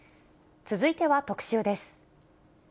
続いては特集です。